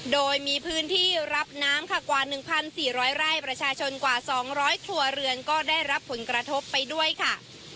โดยมีพื้นที่รับน้ำค่ะกว่า๑๔๐๐ไร่ประชาชนกว่า๒๐๐ครัวเรือนก็ได้รับผลกระทบไปด้วยค่ะ